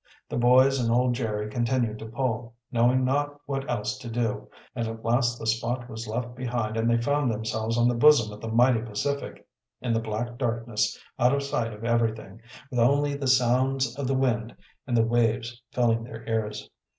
The boys and old Jerry continued to pull, knowing not what else to do, and at last the spot was left behind and they found themselves on the bosom of the mighty Pacific, in the black darkness, out of sight of everything, with only the sounds of the wind and the waves filling their ears.